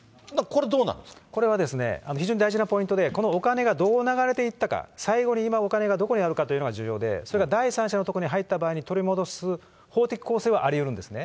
これは、非常に大事なポイントで、このお金がどう流れていったか、最後に今お金がどこにあるかというのが重要で、それが第三者の所に入った場合に取り戻す法的構成はありうるんですね。